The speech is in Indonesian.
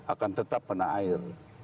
akan tetap penuh air